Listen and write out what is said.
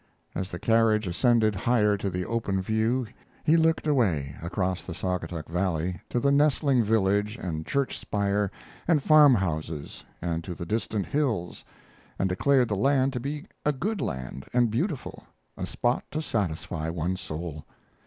As the carriage ascended higher to the open view he looked away, across the Saugatuck Valley to the nestling village and church spire and farm houses, and to the distant hills, and declared the land to be a good land and beautiful a spot to satisfy one's soul.